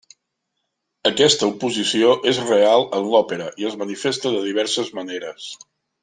Aquesta oposició és real en l'òpera i es manifesta de diverses maneres.